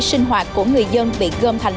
sinh hoạt của người dân bị gom thành